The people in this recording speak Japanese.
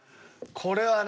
これはね。